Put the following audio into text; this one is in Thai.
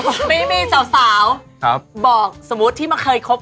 ผมเป็นคนรักสัตว์ครับ